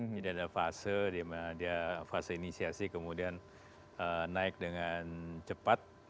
jadi ada fase ada fase inisiasi kemudian naik dengan cepat